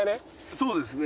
そうですね。